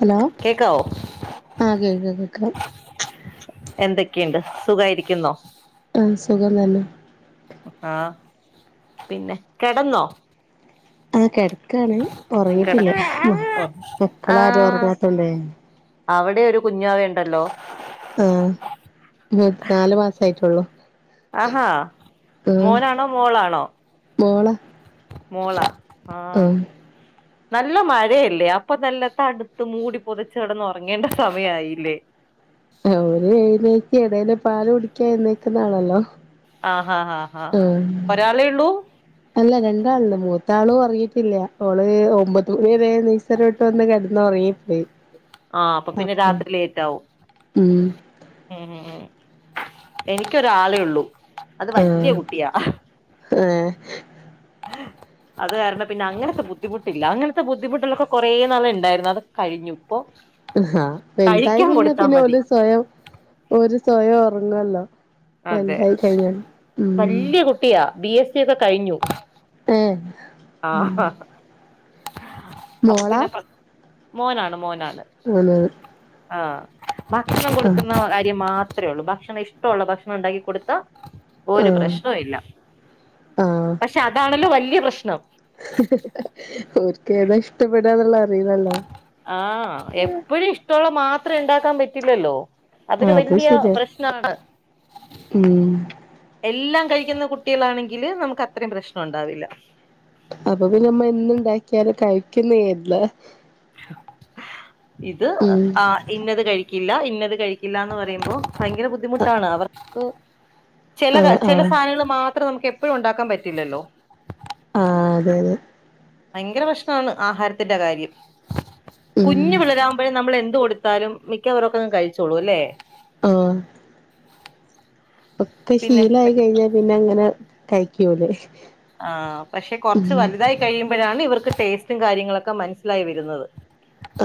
Hello കേക്കാവോ ആഹ് കേക്ക കേക്കാം എന്തൊക്കെണ്ട് സുഖായിരിക്കുന്നോ ആഹ് സുഖതന്നെ ആഹ് പിന്നെ കിടന്നോ ആഹ് കെടക്കാണ് ഉറങ്ങീട്ടില്ല കിടക്ക് മക്കളാരും ഉറങ്ങാത്തോണ്ടേ അവിടെരു കുഞ്ഞാവയുണ്ടല്ലോ ആഹ് നാലു മാസയിറ്റൊള്ളൂ അഹാ മോനാണോ മോളാണോ മോളാ മോളാ ആ ആഹ് നല്ല മഴയല്ലേ അപ്പൊ നല്ല തണുത്ത് മൂടി പൊതച്ചടന്നുറങ്ങേണ്ട സമയായില്ലേ ഒരുര് വയിലേക്ക് ഏതേലും പാല് കുടിക്കാ എഴുന്നേക്കുന്നാണല്ലോ ആഹ് ഹാ ഹാ ഹാ ഒരാളെ ഉള്ളൂ അല്ല രണ്ടാള്ണ്ട് മൂത്ത ആളു ഒറങ്ങീട്ടില്ല ഓള് ഒമ്പത് മണിവരെ നി സരോട്ട് വന്ന് കെട്ന്ന് ഉറങ്ങിപ്പോയ് ആഹ് അപ്പൊ പിന്നെ രാത്രി ലേറ്റ് ആവും ഉം ഉം ഉം ഉം ഉ എനിക്കൊരാളേ ഒള്ളൂ അത് വല്യ കുട്ട്യാ ആഹ് ആഹ് അത് കാരണം പിന്നങ്ങനത്തെ ബുദ്ധിമുട്ടില്ല അങ്ങനത്തെ ബുദ്ധിമുട്ടുളൊക്കെ കുറേ നാളണ്ടായിരുന്നു അത് കഴിഞ്ഞുപ്പൊ അഹ വെലുതായി കഴിഞ്ഞാ പിന്നെ ഓൽ സ്വയം ഓര് സ്വയം ഒറങ്ങല്ലോ വലുതായി കഴിഞ്ഞ ഉം കുട്ടിയ ബി എസ് സി ഒക്കെ കഴിഞ്ഞു ഏ ഉം ആഹാ അപ്പ മോളാ പിന്നെ പ മോനാണ് മോനാണ് അങ്ങനാ ആഹ് ഭക്ഷണം കൊടുക്കുന്ന കാര്യം മാത്രെ ഒള്ളൂ ഭക്ഷണം ഇഷ്ടോള്ള ഭക്ഷ ണ്ടാക്കി കൊടുത്ത ഒരു ആഹ് പ്രശ്നും ഇല്ല പക്ഷെ അതാണല്ലോ വല്ല്യ പ്രശ്നം ർക്ക് ഏതാ ഇഷ്ടപ്പെടാ എന്നുള്ള അറിയില്ലല്ലോ ആഹ് എപ്പഴും ഇഷ്ടമുള്ള മാത്രം ഉണ്ടാക്കാൻ പറ്റില്ലല്ലോ അതിന് ആഹ് അത് വല്ിയ ശരിയാ പ്രശ്നമാണ് ഉം എല്ലാം കഴിക്കുന്ന കുട്ടികളാണെങ്കില് നമുക്ക് അത്രയും പ്രശ്നം ഉണ്ടാവില്ല അപ്പൊ പി നമ്മ എന്ന ഇണ്ടാക്കിയാലും കഴിക്കുന്ന് കർതാ ഇത് ഉം ആ ഇന്നത് കഴിക്കില്ല ഇന്നത് കഴിക്കില്ല എന്ന് പറയുമ്പോ ഭയങ്കര ബുദ്ധിമുട്ടാണ് അവർക്ക് ചില ആഹ് ചില ആഹ് സാധനങ്ങൾ മാത്രം നമുക്ക് എപ്പഴും ഉണ്ടാക്കാൻ പറ്റില്ലല്ലോ ആഹ് അതെ അതെ ഭയങ്കര പ്രശ്നമാണ് ആഹാരത്തിന്റെ കാര്യം ഉം കുഞ് വിളരാുമ്പോഴേ നമ്മൾ എന്ത് കൊടു എക്കാലും മിക്കവരൊക്കെ ഒക്കെഅങ്ങ് കഴിച്ചോളൂ അല്ലേ ആഹ് ഒക്കെ പിന്നെ ശീലായി കഴിഞ്ഞാൽ പിന്നെ അങ്ങനെ കഴിക്കൂലേ ആഹ് പക്ഷെ ഉം കുറച്ച് വലുതായി കഴിയുമ്പോഴാണ് ഇവർക്ക് ടേസ്റ്റും കാര്യങ്ങളൊക്കെ മനസ്സിലായി വരുന്നത്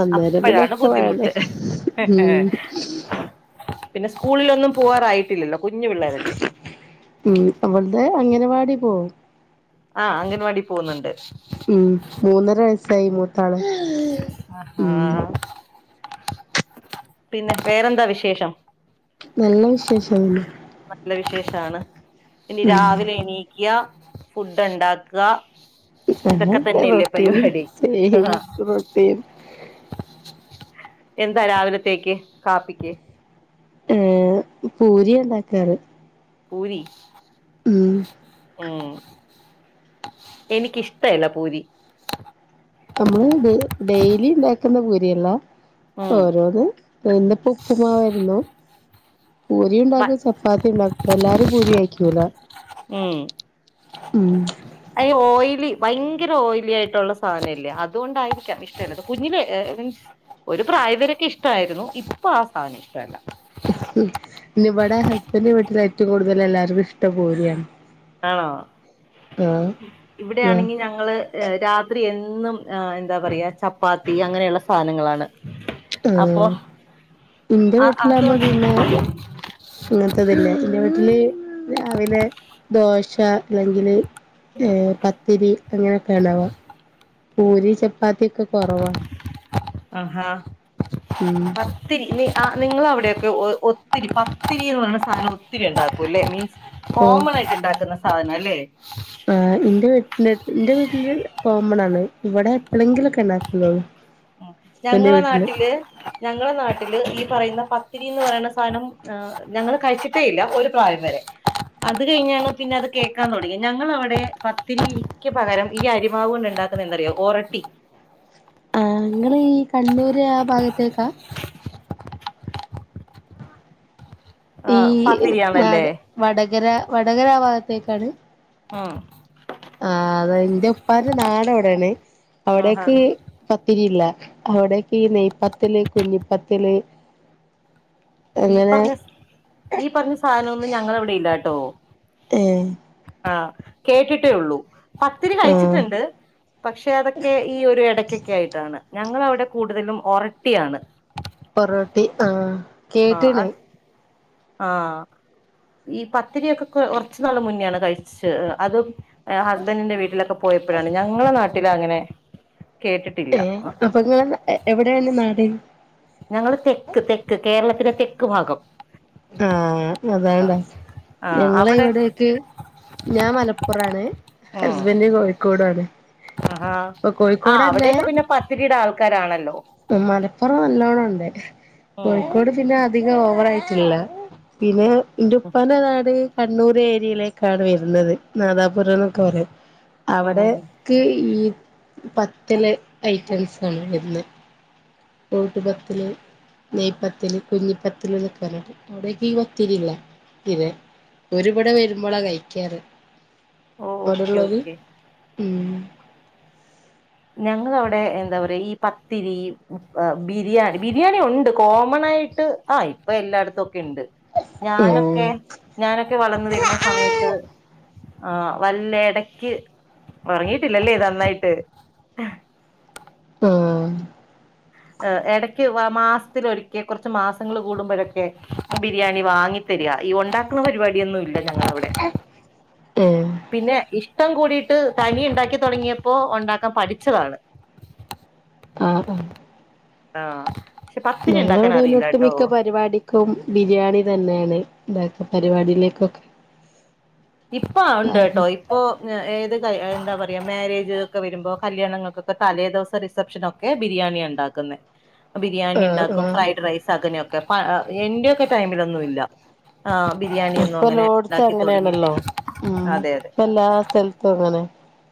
അന്നേരം പിന്നെ അപ്പഴാണ് ഒക്കെ വേണ്ടേ ബുദ്ധിമുട്ട് ഉം പിന്നെ സ്കൂളിലൊന്നും പോവാറായിട്ടില്ലല്ലോ കുഞ് പിള്ളേരല്ലേ ഉം അവള് ത്തെ അങ്ങനാ വാടി പോവും ആഹ് അംഗൻവാടി പോകുന്നുണ്ട് ഉം മൂന്നര വയസ്സായി മൂത്താള് ആഹ് ഉം ആഹ് പിന്നെ വേറെന്താ വിശേഷം നല്ല വിശേഷമാണ് നല്ല വിശേഷാണ് ഇനി രാവിലെ എണീക്ക ഫുഡ് ഉണ്ടാക്ക തന്നെ ഇതൊക്കെ ആ തന്നെല്ലേ റൊട്ടീൻ പരിപാടി സെയിം ആഹ് റൊട്ടീൻ എന്താ രാവിലത്തേക്ക് കാപ്പിക്ക് ഏഹ് പൂരിയ ഉണ്ടാക്കാറ് പൂരി ഉം ഉം എനിക്കിഷ്ടയില്ല പൂരി നമ്മള് ഡെയ്ലി ഉണ്ടാക്കുന്ന പൂരിയെല്ലാം ഉം ഓരോന്ന് എന്തപ്പോ ഉപ്പുമാവായിരുന്നു പൂരി ഉണ്ടാക്കും ചപ്പാത്തി ഉണ്ടാക്കും എല്ലാരും പൂരി കയിക്കൂല ഉം ഉം അ ഓയിലി ഭയങ്കര ഓയിലി ആയിട്ടുള്ള സാധനല്ലേ അതുകൊണ്ടായിരിക്കാം ചെലത് കുഞ്ഞില് മീൻസ് ഒരു പ്രായവരൊക്കെ ഇഷ്ടമായിരുന്നു ഇപ്പൊ ആ സാധനം ഇഷ്ട്ടല്ല ഇ ഇവിടെ ഹസ്ബൻഡന്റെ വീട്ടിൽ ഏറ്റവും കൂടുതൽ എല്ലാവർക്കും ഇഷ്ടം പൂരിയാണ് ആണോ ആഹ് ആഹ് ഇവിടെയാണെങ്കി ഞങ്ങള് രാത്രി എന്നും എന്താ പറയാ ചപ്പാത്തി അങ്ങനെയുള്ള സാധനങ്ങളാണ് അപ്പൊ ആഹ് എന്റെ ആ വീട്ടിലാകുമ്പോ അതുകൊണ്ട് പിന്നെ അങ്ങനത്തെതല്ലേ എന്റെ വീട്ടില് രാവിലെ ദോശ അല്ലെങ്കില് ഏർ പത്തിരി അങ്ങനെയൊക്കെ ഉണ്ടാവാ പൂരി ചപ്പാത്തി ഒക്കെ കുറവാ ആഹാ ഉം പത്തിരി നിങ്ങ അവിടെയൊക്കെ ഒത്തിരി പത്തിരി എന്ന് പറയുന്ന സാധനം ഒത്തിരി ഉണ്ടാക്കും അല്ലേ മീൻസ് ഓ കോമൺ ആയിട്ട് ഉണ്ടാക്കുന്ന സാധനം അല്ലേ ആഹ് എന്റെ വീട്ട എന്റെ വീട്ടില് കോമൺ ആണ് ഇവിടെ എപ്പോഴെങ്കിലുംക്കെ ഉണ്ടാക്കുന്നത് ഉം ഞങ്ങള നാട്ടില് ഞങ്ങള നാട്ടില് ഈ പറയുന്ന പത്തിരിന്ന് പറയുന്ന സാധനം ഞങ്ങൾ കഴിച്ചിട്ടേ ഇല്ല ഒരു പ്രായം വരെ അത് കഴിഞ്ഞാണ് പിന്നെ അത് കേൾക്കാൻ തുടങ്ങിയത് ഞങ്ങളവിടെ പത്തിരിക്ക് പകരം ഈ അരിമാവ് കൊണ്ട് ഉണ്ടാക്കി എന്താന്നറിയോ ഓരട്ടി ആഹ് ഇങ്ങളീ കണ്ണൂര് ആ ഭാഗത്തേക്കാ? ഈ ആഹ് പത്തിരിയാണല്ലേ വടകര, വടകര ഭാഗത്തേക്കാണ്? ആഹ് ആഹ് അത് എൻ്റെ ഉപ്പാന്റെ നാടവിടെയാണ്. ആഹാ അവിടേക്ക്, പത്തിരിയില്ല, അവിടക്കെ ഈ നെയ്പ്പത്തില്ല്, കുഞ്ഞിപ്പത്തില്ല്, ഈ പറഞ്ഞ ഈ പറഞ്ഞ സാധനൊന്നും ഞങ്ങളവിടെ ഇല്ലാട്ടോ. ഏഹ് ആഹ് കേട്ടിട്ടെയൊള്ളു. പത്തിരി ആഹ് കഴിച്ചിട്ടിണ്ട്, പക്ഷെ അതൊക്കെ ഈ ഒരു ഇടയ്ക്കൊക്കെ ആയിട്ടാണ് ഞങ്ങളവിടെ കൂടുതലും ഉറട്ടിയാണ്. പൊറോട്ടി ആഹ് ആഹ് കേട്ട്ണ് അത് ആഹ് ഈ പത്തിരിയൊക്കെ കുറച്ച് നാള് മുന്നെയാണ് കഴിച്ച് അതും ഹസ്ബൻഡിന്റെ വീട്ടിലൊക്കെ പോയപ്പോഴാണ് ഞങ്ങള നാട്ടിൽ അങ്ങനെ കേട്ടിട്ടില്ല. ഏ [unintelligible] എവിടെയാണ് നാട്? ഞങ്ങള് തെക്ക് തെക്ക് കേരളത്തിന്റെ തെക്ക് ഭാഗം. ആഹ് അതോണ്ട. ആഹ് ഞങ്ങള അവിടെ ഇവിടെക്കെ ഞാൻ മലപ്പുറാണ്, ഉം ഹസ്ബൻഡ് കോഴിക്കോടാണ്. ആഹാ ഇപ്പൊ ആഹ് കോഴിക്കോടെന്നെ അവിടെയൊക്കെ പിന്നെ പത്തിരിയുടെ ആൾക്കാരാണല്ലോ. മലപ്പുറം നല്ലോണം ഉണ്ട് ഉം കോഴിക്കോട് പിന്നെ അധികം ഓവറായിട്ടില്ല. പിന്നെ എൻ്റെ ഉപ്പാൻ്റെ നാട് കണ്ണൂര് ഏരിയയിലേക്കാണ് വരുന്നത് നാദാപുരന്നൊക്കെ പറയും, ഉം അവിടെ ക്ക് ഈ പത്തല് ഐറ്റംസാണ് വരുന്നത്. ഓട്ട്പത്ത്ല് നെയ്പത്തില് കുഞ്ഞിപ്പത്തില് എന്നൊക്കെ പറഞ്ഞിട്ട്. അവിടക്കെ ഈ പത്തില് ഇല്ല? [unintelligible] വരുമ്പളാ കഴിക്കാറ് ഓ ഓക്കെ ഓക്കെ [unintelligible] ഉം ഞങ്ങളവിടെ എന്താ പറയാ ഈ പത്തിരി ബിരിയാണി, ബിരിയാണി ഉണ്ട് കോമൺ ആയിട്ട് ആഹ് ഇപ്പൊ എല്ലായിടത്തും ഉണ്ട് ഓ ഞാനൊക്കെ ഞാനൊക്കെ വളർന്ന് വരുന്ന സമയത്ത്, ആഹ് വല്ല എടക്ക് ഉറങ്ങീട്ടില്ലല്ലേ നന്നായിട്ട്? [unintelligible] ആഹ് എടക്ക് മാസത്തിലൊരിക്കെ കുർച്ച് മാസങ്ങള് കൂടുമ്പോഴൊക്കെ ബിരിയാണി വാങ്ങി തരുക ഈ ഉണ്ടാക്കുന്ന പരിപാടിയൊന്നും ഇല്ല ഞങ്ങളവിടെ ഉം പിന്നെ ഇഷ്ട്ടം കൂടിയിട്ട് തനിയെ ഉണ്ടാക്കി തുടങ്ങിയപ്പോ ഉണ്ടാക്കാൻ പഠിച്ചതാണ്. [inaudible] ആഹ് ആഹ് നിങ്ങളവിടെ ഒട്ടു മിക്ക പരിപാടി ക്കും ബിരിയാണി തന്നെയാണ് ഇതാക്ക പരിപാടിയിലേക്കൊക്കെ. ഇപ്പ ഉണ്ട് ട്ടോ പാകം ഇപ്പോ ഏത് എന്താപറയ മാര്യേജ് ഒക്കെ വരുമ്പോ കല്യാണങ്ങൾക്കൊക്കെ തലേദിവസം റിസപ്ഷനു ക്കെ ബിരിയാണിയ ഉണ്ടാക്കുന്നെ. ആഹ് ബിരിയാണിണ്ടാക്കും ആഹ് ഫ്രൈഡ് റൈസ് അങ്ങനെയൊക്കെ എന്റെയൊക്കെ ടൈമിലൊന്നുല്ല. ആഹ് ബിരിയാണിയൊന്നും അങ്ങനെ ഉണ്ടാക്കി തുടങ്ങി പ്പം ഉം ഇപ്പല്ലാ സ്ഥൽത്തും അങ്ങനെ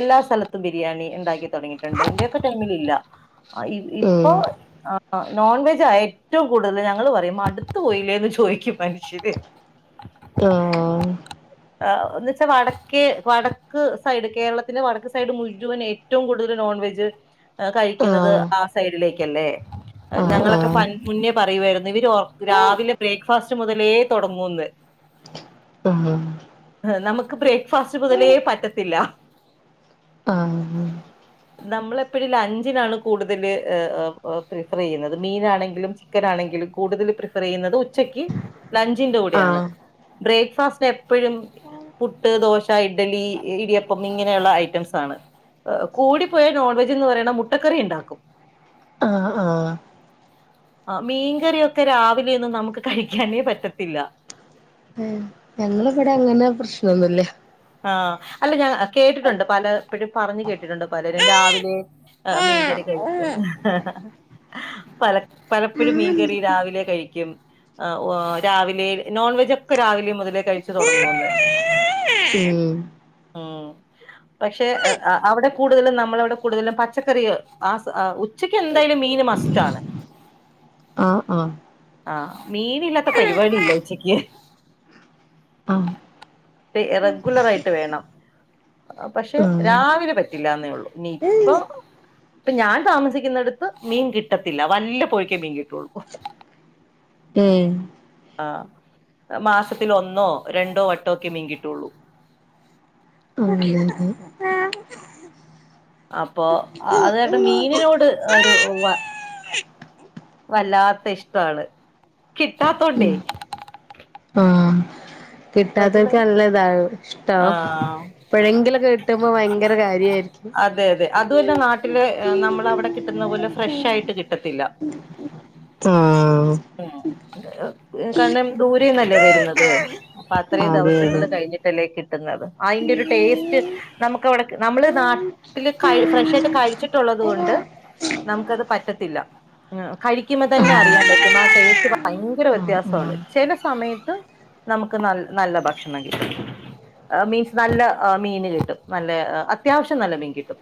എല്ലാ സ്ഥലത്തും ബിരിയാണി ഇണ്ടാക്കി തുടങ്ങിയിട്ടുണ്ട് ഇന്റെയൊക്കെ ടൈമിലില്ല ഇപ്പൊ ഉം ആഹ് നോൺവെജ ഏറ്റവും കൂടുതൽ ഞങ്ങള് പറയും മടുത്ത് പോയില്ലേന്ന് ചോയ്ക്കും മനുഷ്യര്. ആഹ് എന്ന് വെച്ചാൽ വടക്ക് വടക്ക് സൈഡ് കേരളത്തിന്റെ വടക്ക് സൈഡ് മുഴുവൻ ഏറ്റവും കൂടുതല് നോൺ വെജ് കഴിക്കുന്നത് ആഹ് ആ സൈഡിലേക്കല്ലേ ആഹ് ആഹ് ഞങ്ങളൊക്കെ ആഹ് മുന്നേ പറയുവായിരുന്നു ഇവര് രാവിലെ ബ്രേക്ക്ഫാസ്റ്റ് മുതലേ തുടങ്ങൂന്ന് ഉം ഉം നമുക്ക് ബ്രേക്ക്ഫാസ്റ്റ് മുതലേ പറ്റത്തില്ല ആഹ് നമ്മള് എപ്പോഴും ലഞ്ചിനാണ് കൂടുതല് പ്രിഫറയ്യുന്നത് മീനാണെങ്കിലും ചി ക്കനാണെങ്കിലും കൂടുതല് പ്രിഫറ്യ്യുന്നത് ഉച്ചക്ക് ലഞ്ചിന്റെ കൂടെയാണ് ആഹ് ബ്രേക്ക്ഫാസ്റ്റിന് എപ്പഴും പുട്ട്, ദോശ, ഇഡലി, ഇടിയപ്പം ഇങ്ങനെയുള്ള ഐറ്റംസ് ആണ് കൂടി പോയ നോൺവെജ് എന്ന് പറയണ മുട്ടക്കറി ഉണ്ടാക്കും ആഹ് ആഹ് ആഹ് ആഹ് മീൻകറിയൊക്കെ രാവിലെയൊന്നും നമുക്ക് കഴിക്കാനേ പറ്റത്തില്ല ഉം ഞങ്ങള് ഇവിടെ അങ്ങനെ പ്രശ്നൊന്നുല്ല ആഹ് അല്ല ഞാൻ കേട്ടിട്ടുണ്ട് പലപ്പഴും പറഞ്ഞു കേട്ടിട്ടുണ്ട് പലരും രാവിലെ ആഹ് മീൻകറി കഴിക്കും പല പലപ്പഴും മീൻകറി രാവിലെ കഴിക്കും ആ രാവിലെ നോൺവെജ് ഒക്കെ രാവിലെ മുതലേ കഴിച്ചു തുടങ്ങൂന്ന് ഉം ഉം പക്ഷെ അവിടെ കൂടുതലും നമ്മളവിടെ കൂടുതലും പച്ചക്കറി ആ ഉച്ചക്ക് എന്തായാലും മീന് മസ് ആണ് ആഹ് ആഹ് ആ മീനില്ലാത്ത പരിപാടിയില്ല ഉച്ചയ്ക്ക് ആഹ് റെഗുലർ ആയിട്ട് വേണം പക്ഷെ ആഹ് രാവിലെ പറ്റില്ലാന്നേ ഒള്ളൂ ഇനിപ്പൊ ഇപ്പൊ ഞാൻ താമസിക്കുന്നിടത്ത് മീൻ കിട്ടത്തില്ല വല്ല് പോയ്ക്കേ മീൻ കിട്ടുള്ളൂ ഉം ആഹ് മാസത്തിൽ ഒന്നോ രണ്ടോ വട്ടൊക്കെ മീൻ കിട്ടൊള്ളൂ ഉം ഇല്ലാത്തെ അപ്പൊ അതാട്ട് മീനിനോട് ഒരു വ വല്ലാത്ത ഇഷ്ടാണ് ഉം കിട്ടാത്തോണ്ടേ റെഗുലർ കിട്ടാത്തോൽക്ക് നല്ല ഇതാ ഇഷ്ടാ ആഹ് എപ്പഴെങ്കിലൊക്കെ കിട്ടുമ്പോ ഭയങ്കര കാര്യായിരിക്കും അതെ അതെ അതുവല്ല നാട്ടില് നമ്മളെ അവിടെ കി ട്ടുന്ന പോലെ ഫ്രഷ് ആയിട്ട് കിട്ടത്തില്ല താ കാരണം ദൂരേന്നല്ലേ വരുന്നത് അത്രയും അതെ അതെ ദെവസങ്ങള് കഴിഞ്ഞിട്ടല്ലേ കിട്ടുന്നത് അഴിന്റെ ഒരു ടേസ്റ്റ് നമുക്ക് അവടെ നമ്മള് നാട്ടില് ക ഫ്രഷ് ആയിട്ട് കഴിച്ചിട്ടുള്ളത് കൊണ്ട് നമുക്ക അത് പറ്റത്തില്ല ങാ കഴിക്കുമ്പോ തന്നെ അറിയാം പറ്റും ആ ടേസ്റ്റ് ഭയങ്കര ആഹ് വ്യത്യാസാണ് ആഹ് ചെല സമയത്ത് ക്ക് ന നല്ല ഭക്ഷണം കിട്ടും മീൻസ് നല്ല മീന് കിട്ടും നല്ല അത്യാവശ്യം നല്ല മീൻ കിട്ടും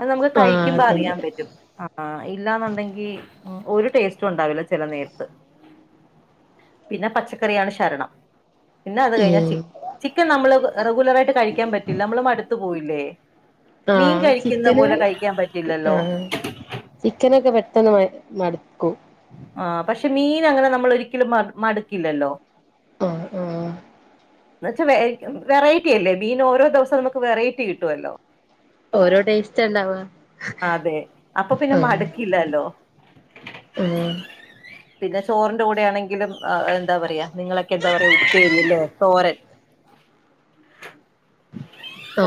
അത് നമുക്ക് ആഹ് കഴിക്കുമ്പ അതെ അറിയാം പറ്റും ആ ഹാ ഇല്ലാന്നുണ്ടെങ്കി ഒരു ടേസ്റ്റും ഉണ്ടാവില്ല ചെല നേര്ത്ത് പിന്നെ പച്ചക്കറിയാണ് ശരണം പിന്നെ അത് കഴിഞ്ഞാ ചി ഉം ചിക്കൻ നമ്മള് റെഗുലർ ആയിട്ട് കഴിക്കാൻ പറ്റില്ല നമ്മള് മടുത്ത് പോവില്ലേ മീൻ ആഹ് കഴിക്കുന്ന ചിക്കന് പോലെ കഴിക്കാം പറ്റില്ലല്ലോ ആഹ് ചിക്കനൊക്കെ പെട്ടെന്ന് മ മടുക്കൂ ആ പക്ഷെ മീൻ അങ്ങനെ നമ്മള് ഒരിക്കലും മട് മട്ക്കില്ലല്ലോ ആഹ് ആഹ് എന്ന് വച്ചാ വെ വെറൈറ്റി അല്ലേ മീന് ഓരോ ദിവസം നമുക്ക് വെറൈറ്റി കിട്ടുവല്ലോ ഓരോ ടേസ്റ്റാ ഇണ്ടാവാ അതെ അപ്പ പിന്നെ മടക്കില്ലലോ ആഹ് പിന്നെ ചോറ്ന്റെ കൂടെ ആണെങ്കിലും എന്താ പറയാ നിങ്ങളൊക്കെ എന്താ പറയാ ഉപ്പേരി അല്ലോ തോരൻ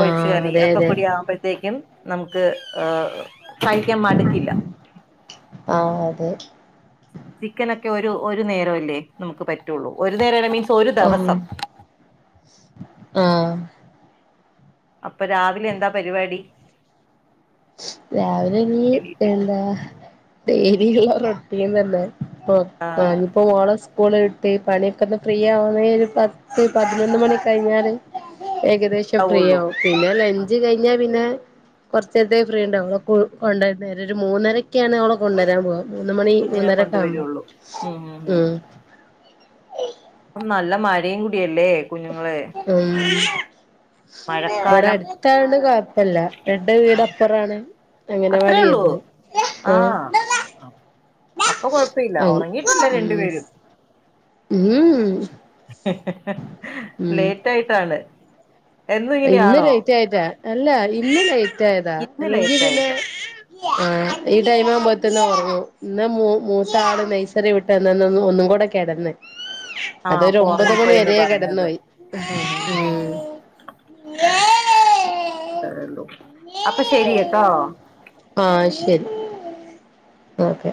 ഒഴിച്ചു കറി അതെ ഒക്ക അതെ കുടി ആവുമ്പഴേ ത്തേക്കും നമുക്ക് ആ കഴിക്കാം മട്ക്കില്ല ആ അതെ ചിക്കനൊക്കെ ഒരു ഒരു നേരവല്ലേ നമുക്ക് പറ്റുള്ളൂ ഒരു നേരമല്ലേ മീൻസ് ഒരു ആഹ് ദവസം ആഹ് അപ്പ രാവിലെ എന്താ പരിവാടി രാവിലെ ഇനി എണീറ്റിട്ട് എന്താ ഡെയിലി റൊട്ടീൻ തന്നെ ആഹ് പ്പൊ [unintelligible] ഓള സ് സ്കൂള് വിട്ട് പണിയൊക്കെ ഒന്ന് ഫ്രീ ആവുന്ന ഒരു പത്ത് പതിനൊന്ന് മണി കഴിഞ്ഞാല് ഏകദേശം ആവുള്ളൂ ഫ്രീയാവും പിന്നെ ലഞ്ച് കഴിഞ്ഞാ പിന്നെ കൊർച്ചേര്ത്തേ ഫ്രീ ഉണ്ടാവോ കൊ കൊണ്ടര്ന വരെ ഒരു മൂന്നരക്കാണ് അവളെ കൊണ്ടരാൻ പോവാ മൂന്ന് മണി മൂന്നരൊക്ക ആവുമ്പം ഉം ഇപ്പം നല്ല മയിം കൂടിയല്ലേ കുഞ്ഞുങ്ങള് ഉം ഇവടെ മഴക്കാലം അട്ത്ത ആയൊണ്ട് കൊ പ്പല്ല രണ്ട് വീട് ആഹ് അപ്പൊറാണ് അത്രേ അങ്ങനവാടി ഉള്ളൂ വരുന്ന ആ ആഹ് അപ്പൊ കൊഴപ്പ ഇല്ല ആ ഒറങ്ങിയിട്ടില്ല രണ്ട് പേരും ഉം ഉം ഉം ലേറ്റായിട്ടാണ് ഇന്ന് ലൈറ്റായതാ അല്ല ഇന്ന് ലൈറ്റായതാ ഇന്ന് അല്ലെങ്കി ലേറ്റ് പിന്നെ ആയത് ആ ഈ ടൈമാവുമ്പോത്ത്ന്ന് ഒർങ്ങും ഇന്ന് മൂ മൂത്ത ആള് നൈസറി വി ട്ട് വന്നന്നന്ന് ഒന്നും കൂടെ കേടന്ന് ആ അപ്പോ ഒർങ്ങിപ്പോയന്ന് കിടന്ന് പറഞ്ഞത് പോയി ഉം അപ്പ ശരി ട്ടോ ആ ശരി ഓക്കെ